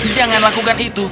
jangan lakukan itu